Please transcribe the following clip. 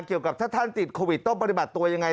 เกี่ยวกับถ้าท่านติดโควิดต้องปฏิบัติตัวยังไง